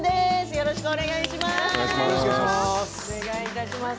よろしくお願いします。